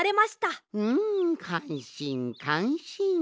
んかんしんかんしん。